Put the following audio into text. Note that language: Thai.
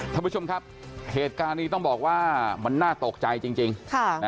ท่านผู้ชมครับเหตุการณ์นี้ต้องบอกว่ามันน่าตกใจจริง